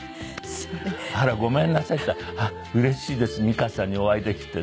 「あらごめんなさい」って言ったら「あっうれしいです美川さんにお会いできて」